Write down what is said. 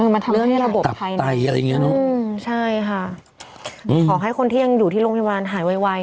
มันทำให้ระบบไพนักอืมใช่ค่ะขอให้คนที่ยังอยู่ที่โรงพยาบาลหายไว